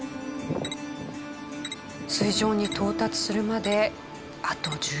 水上に到達するまであと１０秒ほど。